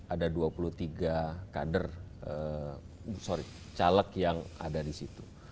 ada dua puluh tiga kader sorry caleg yang ada di situ